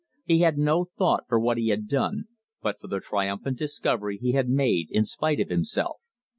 He had no thought for what he had done, but for the triumphant discovery he had made in spite of himself.